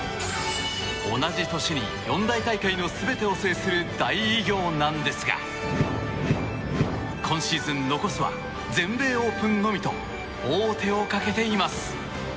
同じ年に四大大会の全てを制する大偉業なんですが今シーズン残すは全米オープンのみと王手をかけています。